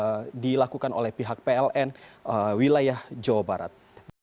yang dilakukan oleh pihak pln wilayah jawa barat